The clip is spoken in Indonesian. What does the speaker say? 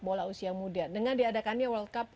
bola usia muda dengan diadakannya world cup